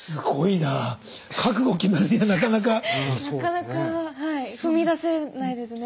なかなかはい踏み出せないですね。